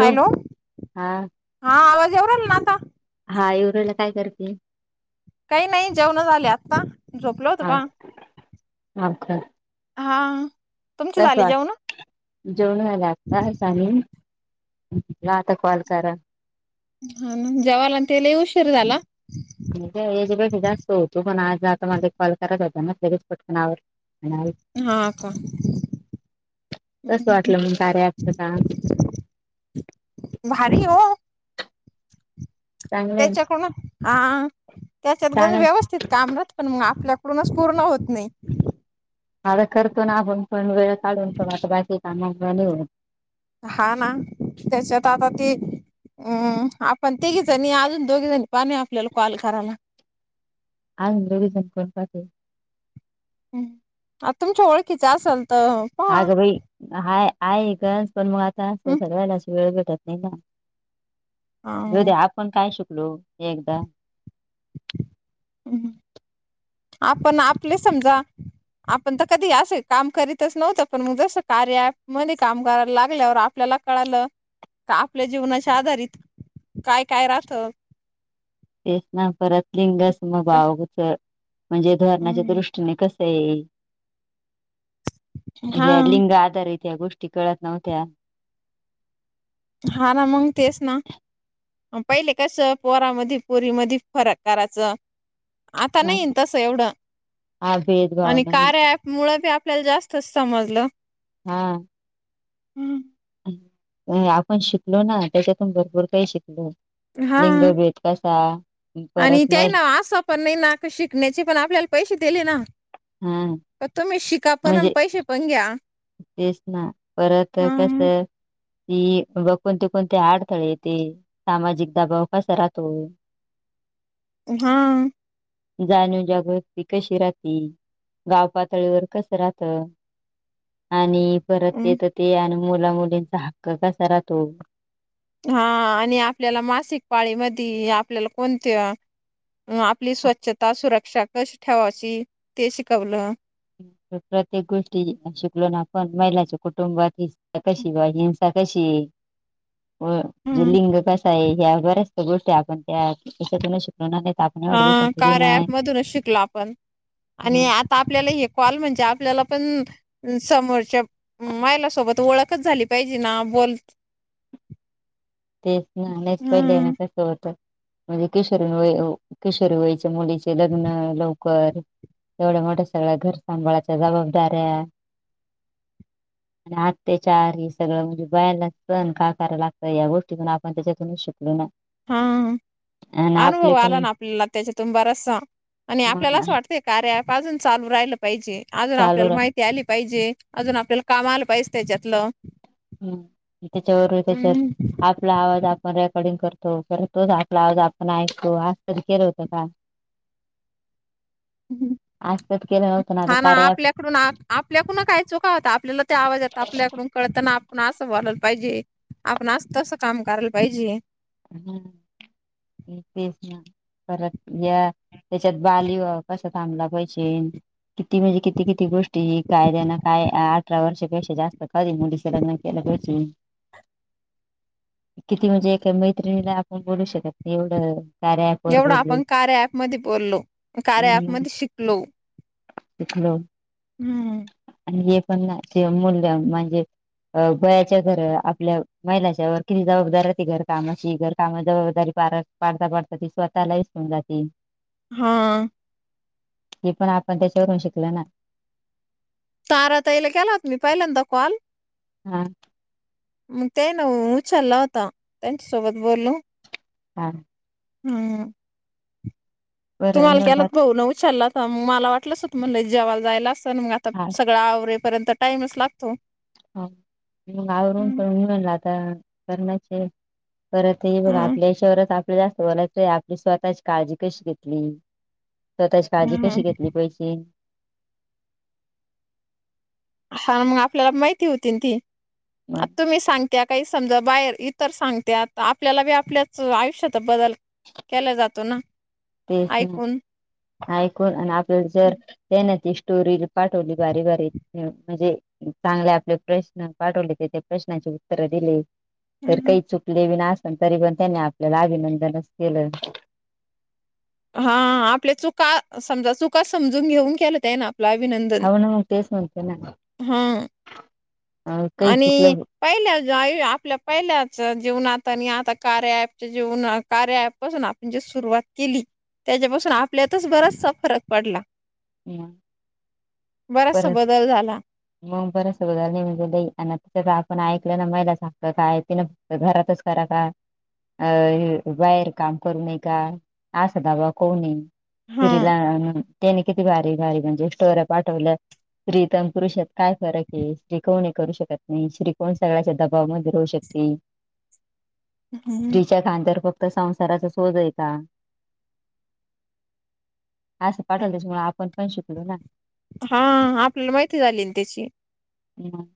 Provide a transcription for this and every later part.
Hello हा हा आवाज येऊ राहिला ना आता. हा एवरेला काय करते. काही नाही जेवण झाले आत्ता झोपले होते पण अच्छा. हा तुमची झाली जेवण. जेवण झाला आता [unintelligible] म्हणलं आता कॉल करा. हा न जेवायला आणि तेउशीर झाला. म्हणजे एजपेक्ष होतो पण आज आता मला कॉल कराय होता ना पटकन आवर हा का कसं वाटलं मग कार्याच अँपच काम भारी हो चांगलं आहे त्यात हा त्याच्यात कणी चांगल व्यवस्थित कामरत राहत पण मग आपल्याकडूनच पूर्ण होत नाही आता करतो ना आपण कोण वेळ काढून त आता बाकी कामा निवून हा ना त्याच्यात आता ती हम्म आपण तिघीजनी अजून दोघीजणी कमी ये आपल्याला कॉल करायला आजून दोघी जाणि करात आ तुमच्या ओळखीच असल तर अगं बाई हाय आहे एक पण मग आता सगळलाशी अस वेळ भेटत नाही ना जाऊ दे पहा. आपण काय शिकलो एकदा हम् आपण आपले समजा आपण तर कधी असं काम करीतच नव्हतं पण मग जसं कार्य ॲपमध्ये काम करायला लागल्यावर आपल्याला कळालं का आपल्या जीवनाच्या आधारित काय काय राहत तेच ना परत लिंग का समभाव होत म्हणजे धोरणाच्या हम्म दृष्टीने कस ते हा लिंग आधारित या गोष्टी नव्हत्या हा ना मंग तेच ना पहिले कसं पोरामध्ये पोरी म फरक करायचं आता नाही न तस एवढं [inaudible] आणि मग कार्य ॲप मुळ बी आपल्याला जास्तच समजलं हा हम्म आपण शिकलो ना त्याच्यातून भरपूर काही शिकलो हा लिंगभेद कसा आणि परत ते महिल ना असं पण नाही ना शिकण्याचे पण आपल्याला पैसे दिले ना हम तुम्ही शिका पण पैसे पण घ्या तेच ना परत हा कस ती बघ कोणते कोणते अडथळे येते सामाजिक दबाव कसा राहातो हा जाणीव जागृती कशी राहती गाव पातळीवर कसं राहत आणि परत ते अं, तर ते आणि मुला मुलींचा हक्क कसा राहतो हा आणि आपल्याला मासिक पाळीमध्ये आपल्याला कोणत्या आपली स्वच्छता सुरक्षा कशी ठेवायची ते शिकवलं प्रत्येक गोष्टी शिकलो ना आपण महिलाच्या कुटुंबातील कशी बा हिंसा कशी आहे जे हम्म. लिंग कसा आहे ह्या बऱ्याच गोष्टी आपण ॲप त्याच्यातून शिकलो [inaudible] हा थोडी कार्य नाही ॲप मधूनच शिकलो आपण हम्म आणि आ ता आपल्याला हे कॉल म्हणजे, आपल्याला पण समोरच्या महिलासोबत ओळखच झाली पाहिजे ना बोल [inaudible] त हम्म. होत. म्हणजे किशोरी वय किशोरी वईच मुलीचे लग्न लवकर एवढ्या मोठ्या सगळ्या घर सांभाळाच्या जबाबदाऱ्या आणि अत्याचार हे सगळं म्हणजे बायालाच सहण का करायला लागतं. या गोष्ट तिथून आपण त्याच्यातून शिकलो ना. हा आणि अनुभव आपले पण आला ना, आपल्याला त्याच्यातुन बराचसा. आणि आपल्याला मग असं वाटतं, कार्या अँप अजून चालू राहिलं पाहिजे. अजून चालू आपल्याला राह माहित ती आली पाहिजे, अजून आपल्याला काम आल पाहिज त्याच्यातलं. हम्म त्याच्यावर त्याच्यात आत आपला आवाज आपण रेकॉर्डिंग करतो. परत तोच आपला आवाज आपण ऐकतो. अस तरी केलं होतं का? हं. आजतक केलं नव्हतं, ना आता कार्या अँप कडून आप-आपल्याकडून काही चुका होता आपल्याला ते आवाज आपल्याकडून कळत ना, आपण असं बोलायला पाहिजे. आपण आज तसं काम करायला पाहिजे. होना, तेच ना परत या, त्यांच्यात बाल विवाह कसा थांबला पाहिजे. किती म्हणजे किती किती गोष्टी, कायद्यानं काय अठरा वर्षपेक्षा जास्त कधी मुलीचं लग्न [unintelligible] किती म्हणजे एका मै त्रीणीला आपण बोलू शकत नाही. एवढं कार्या ॲप वर जेवढं बोललो आपण कार्या अँप मध्ये बोललो, कार्या अँप मध्ये शिकलो. [unintelligible] हम्म आणि हे पण ना [unintelligible] अ वयाच्या घर, आपल्या महिलाच्यावर किती जबाबदाऱ्या ते घर काम. [unintelligible] घर काम, जबाबदारी पार पाडता पाडता ती स्वतःला ही विसरुन जाती. हा हे पण आपण त्याच्यावरून शिकलो ना. तारा ताईला केला होता, मी पहिल्यांदा कॉल. हा. मंग ते न उचलला होता. त्यांच्यासोबत बोललो. हा हम्म. बरं तुम्हाला केलात, निवत भाऊन उचलला होता. मला वाटलच होत, म्हणलं जेवायला जायला असानं, मग आता हा सगळं आवरे परंत टाईमच लागतो. हा मंग आवरून हम्म करून म्हनला आता, करण्याचे परत ते बघ हा आपल्या हेच्यावरच आपल्याला जास्त बोलायचं आपली स्वतःची काळजी कशी घेतली. स्वतःची काळजी हम्म. कशी घेतली पाहिजे. हा मंग आपल्याला माहिती होती न ती, मग तुम्ही सांग त्या काही समजा बाहेर इतर सांगत्यात. आपल्याला बी आपल्याच आयुष्यात बदल केला जातो ना. तेच ना, ऐकून. ऐकून आन आपल्या जर त्याने ती स्टोरी पाठवली बारी बारी म्हणजे चांगलय आपले प्रश्न पाठवले ते त्या प्रश्नाची उत्तर दिली. तर हं. काही चुकले बी आसल तरी पण त्यांनी आपल्याला अभिनंदनच केलं. हा आपल्या चुका समजा चुका समजून घेऊन केल ते येना. हव ना मग तेच म्हणते ना [unintelligible] काही आणि चुकलं पहिल्याच जाय आपल्या पहिल्याच जीवनात आणि आता कार्या अँप च्या जीवनात कार्या अँप पासून आप म्हणजे सुरुवात केली. त्याज्यापासून आपल्यातच बराचसा फरक पडला. म बराचसा परत बदल झाला. मंग परत सगळं नेऊन देई आणि आता सगळं आपण ऐकलेलं महीला सांगतात काय तील त घरातच करा का अ बाहेर काम करू नये का असा [unintelligible] कोण ये हां. सुरीला त्याने किती भारी भारी म्हणजे स्टोऱ्या पाठवल्या. स्त्री त आणि पुरुषात काय फरक ये, स्त्री कमुण हे करू शकत नाही. स्त्री पण सगळ्याच्या दबावमध्ये रहू शकते. [inaudible] हम्म तिच्या खांद्यावर फक्त संसाराचच ओझं आहे का? असं पाठवलं. त्याच्यामुळे आपण पण शिकलो ना. हा आपल्याला माहिती झाली ना त्याची म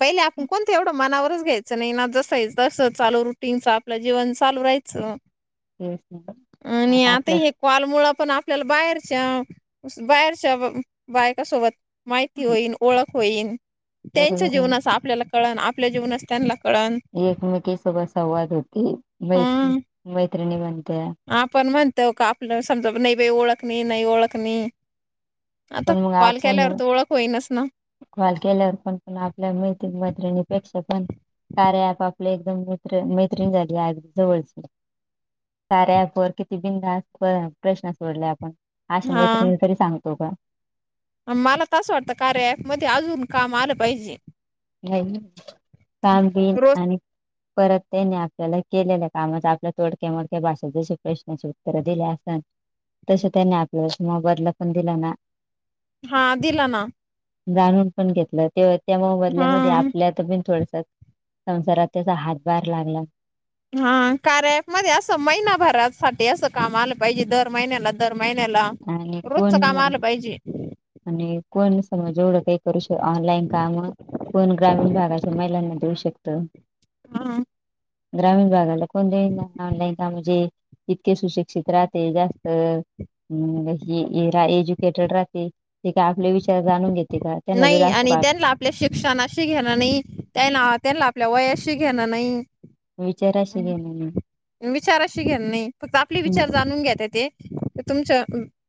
पहिले आपण कोणतं एवढं मनावरच घ्याय च नाय ना, जसय तसं चालू रुटीनच आपलं जीवन चालू राहायचं. तेस नाही पण आणि आता आपल्या हे कॉल मुळं पण आपल्याला बाहेरच्या, बाहेरच्या बायकासोबत माहिती होईन, ओळख होईन. बरोबर त्यांच्या आहे ना. जीवनाचं आपल्याला कळन आपल्या जीवनाच त्यांना कळन एकमेकी सोबत संवाद होती. मैत्री हं. मैत्रिणी बनत्या आपण म्हणतो का आपलं समजा नई बई ओळख नई नाई ओळख नई आता पण मग कॉल केल्यावर आपण त ओळख होईलच न कॉल केल्यावर पण पण, आपल्या मैत्री मैत्रिणीपेक्षा पण कार्या अँप आपले एकदम मित्र मैत्रिण झाली अगदी जवळची. कार्या अँप वर किती बिनधास्त ‌प्रश्न सोडले आपण अशा हा मैत्रिणी तरी सांगतो का? मला तसं वाटतं कार्या ऍप मध्ये अजून काम आलं पाहिजे. व्हय न, काम बिन रोज आणि परत त्यानी आपल्याला केलेल्या कामाचा आपल्या तोडक्या मोडक्या भाषेच जसे प्रश्नची उत्त त्तर दिले असताण तसे त्यांनी आपलाला मोबदला पण दिला ना हा दिला ना. जाणून पण घेतलं तेव्हा, त्या मोबदल्यामध्ये हा. आपल्यात बिन थोडस संसारात त्याचा हातभार लागला. हा, कार्या ॲप मध्ये असं, महिनाभरासाठी असं काम आलं पाहिजे. दर महिन्याला दर महिन्याला आणि रोजच कोण काम आलं पाहिजे. आणि कोण समज एवढं काय करू श ऑनलाईन काम कोण ग्रामीण भागाच्या महिलांना देऊ शकत हा ग्रामीण भागाला कोणी देईना ऑनलाइन काम जे इतके सुशिक्षित राहते जास्त हम्म हे एज्युकेटेड राहते. ते काय आपले विचार जाणून घेते का? त्यांना वेळ नाही असतो आणि का त्यांना आप आपल्या शिक्षणाशी घेणं नाही, त्यायना त्यांना आपल्या वयाशी घेणं नाही. विचाराशी घेणं नाय. विचाराशी घेणं नाय, फक्त आपले विचार जाणून घेता ते, ते तुमच्या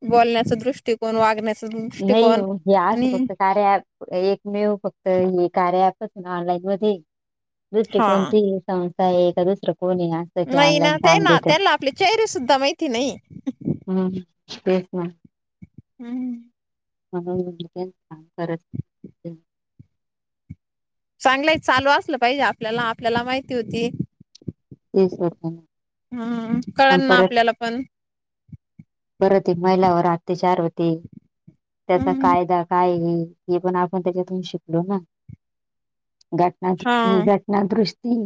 बोलण्याचं दृष्ट ते कोण वागण्याचा नाही दृष्टिकोन हे असं आणि फक्त कार्या ॲप एक मेव फक्त हे कार्य ॲपच ना ऑनलाईन मध्येय दुसरी हा कोणती? संस्थाय का दुसरं कोणय आणि नाही ना ते ना त्यांना आपली चेहरे सुद्धा माहिती नाही. हम्म तेच ना. हम्म हम्मं. [inaudible] चांगलय चालू असलं पाहिजे आपल्याला आपल्याला माहिती होती. तेच होत हम्म कळालं ना परत आपल्याला पण. परत एक महिलावर आतेचार होते त्याचा हम्म कायदा काय हे, हे पण आपण त्याच्यातून शिकलो ना घटनात हि हा घटना ना दृष्टी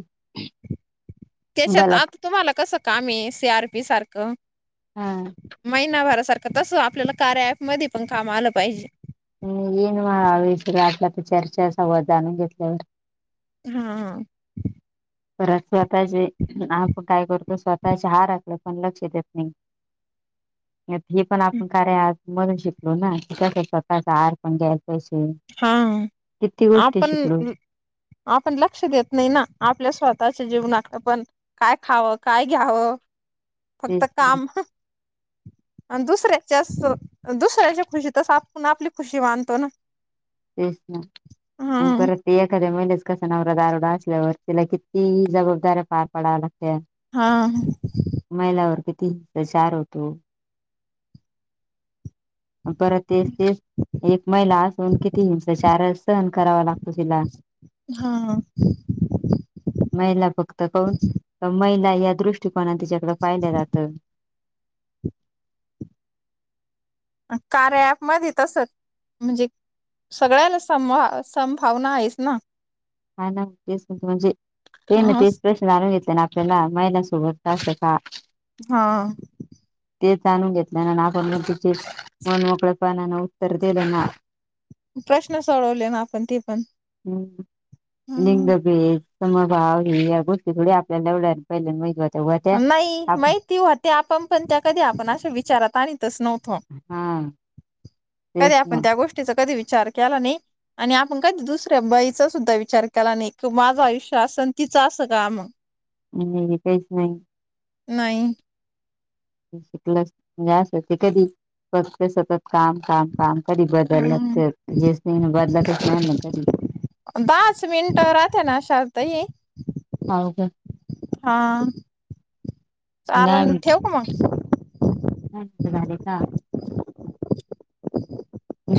त्याच्यात बलात् आता तुम्हाला कसं कामे एस एआरपी सारखं? हम्मं. महिनाभरा सारखं तसं आपल्याला कार्या ॲपमध्ये पण काम आलं पाहिजे. येईन म विसर आटला तर चर्चा असवत जाणून घेतल्यावर. हा हा. परत स्वतःचे आपण काय करतो स्वतःचे आहाराकडं पण लक्ष देत नाही. हे पण आपण कार्या ॲपमणून शिकलो ना, कि कसा स्वतःचा आहार पण घ्याय कसे हा किती गोष्टी आपण शिकलो. आपण लक्ष देत नाही ना आपल्या स्वतःच्या जीवनात पण. काय खावं काय घ्यावं फक्त तेच ना काम. आणि दुसऱ्याच्या असं दुसऱ्याच्या खुशीतच आपण आपली खुशी मानतो ना. तेच ना आणि हा परत ते एखाद्या महिलेचा कसा नवरा दारुडा असल्यावर तिला किती जबाबदाऱ्या पार पडाव्या लागत्यात हां. महिलावर किती प्रचार होतो. परत तेच तेच एक महिला आसुन किती हिंसाचारज सहन करावा लागतो तिला. हां. महिला फक्त कोन महिला या दृष्टी कोणानी त्यािच्याकडं पाहिलं जातं. कार्या ॲपमध्ये तसंच म्हणजे सगळ्याला सम्हा संमभावना आहेच ना. हाना तेच कि म्हणजे तेना तेच प्र जाणून घेयचं ना आपल्याला महिलांसोबत असं का? हां. ते जाणून घेतल्यानाय आपण म्हणतो तेच मनमोकळ्यापनानं उत्तर दिलं ना प्रश्न सोडवले ना आपण ते पण. हम्म हं. हम्म लिंगभेद, समभाव ह्या गोष्टी थोडी आपल्याला एवढ्या. [unintelligible] नाई आपण माहिती होत्या आपण पण त्या कधी आपण अशा विचारात आणितच न्हव तो. हा कधी तेच आपण ना त्या गोष्टीचा कधी विचार केला नाइ. आणि आपण काय दुसऱ्या बाईचा सुद्धा विचार केला नाही क माझं आयुष्य अस तिचं असं का मग. हम्म काहीच नाही. नाही, शिकलं म्हणजे असं ते कधी फक्त सतत काम काम! काम कधी बदललत हम्म तर हेच नयी बदलतच नयी ना कधी. दहाच मिनट राहात ना शालू ताई! हाव का हा चालल ठेव का मग? मस्त झाले काम?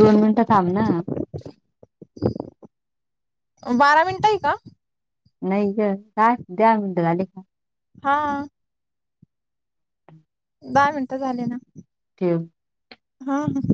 दोन मिनिट थांब ना, ओ बारा मिनिट ये का? नाही ग पाच दहा मिनट झाले का, हा, दहा मिनट झाले ना, ठेव, हा ह,